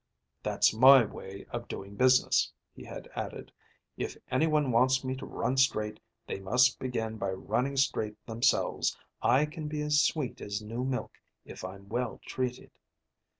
"That's my way of doing business," he had added. "If anyone wants me to run straight, they must begin by running straight themselves. I can be as sweet as new milk if I'm well treated."